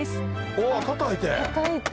おたたいて。